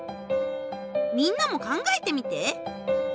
みんなも考えてみて！